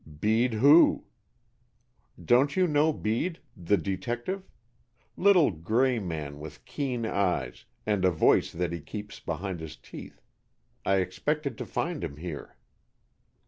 "Bede who?" "Don't you know Bede, the detective? little gray man with keen eyes and a voice that he keeps behind his teeth. I expected to find him here."